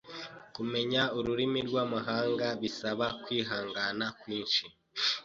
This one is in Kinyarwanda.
Kumenya ururimi rwamahanga bisaba kwihangana kwinshi.